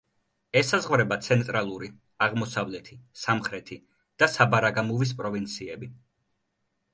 ესაზღვრება ცენტრალური, აღმოსავლეთი, სამხრეთი და საბარაგამუვის პროვინციები.